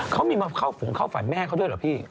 เขามีมากับฝันแม่เขาด้วยเหรอพี่